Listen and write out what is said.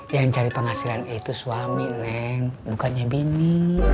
yang cari penghasilan itu suami neng bukannya bini